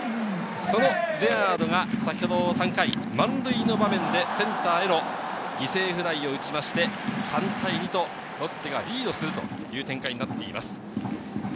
そのレアードが先ほど３回、満塁の場面でセンターへの犠牲フライを打ちまして、３対２とロッテがリードする展開になっています。